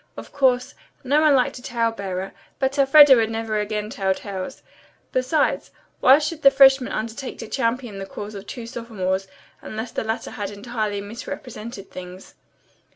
Of course, no one liked a tale bearer, but Elfreda would never again tell tales. Besides, why should the freshmen undertake to champion the cause of two sophomores, unless the latter had entirely misrepresented things?